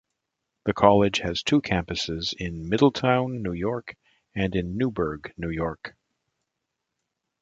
The college has two campuses in Middletown, New York and in Newburgh, New York.